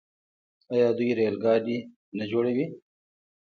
آیا دوی ریل ګاډي نه جوړوي؟